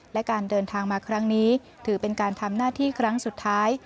และการเดินทางมาครั้งนี้ถือเป็นการทำหน้าที่ครั้งสุดท้าย